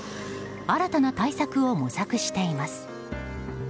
新たな対策を模索しています。